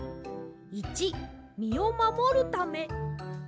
①みをまもるため。